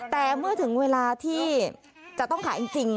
แต่เมื่อถึงเวลาที่จะต้องขายจริง